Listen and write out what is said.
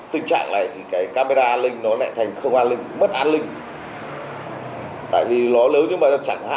tình trạng này thì cái camera an ninh nó lại thành không an ninh mất an ninh tại vì nó lớn nhưng mà